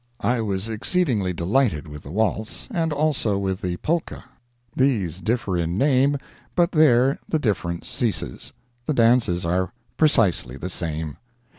I was exceedingly delighted with the waltz, and also with the polka. These differ in name, but there the difference ceases—the dances are precisely the same.